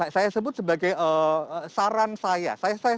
saya sebut sebagai saran saya